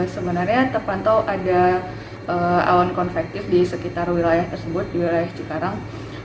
sebenarnya terpantau ada awan konvektif di sekitar wilayah tersebut di wilayah cikarang